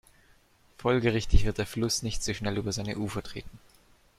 Folgerichtig wird der Fluss nicht so schnell über seine Ufer treten.